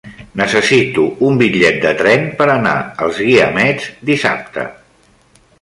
Necessito un bitllet de tren per anar als Guiamets dissabte.